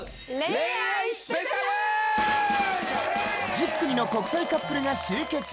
１０組の国際カップルが集結。